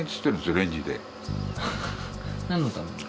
レンジで何のために？